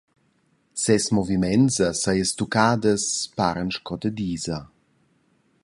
Ses moviments e sias tuccadas paran sco da disa.